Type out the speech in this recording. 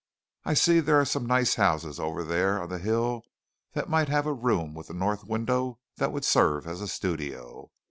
I see there are some nice houses over there on the hill that might have a room with a north window that would serve as a studio.